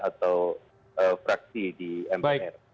atau fraksi di mpr